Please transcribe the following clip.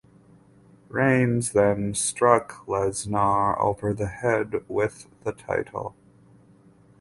Reigns then struck Lesnar over the head with the title.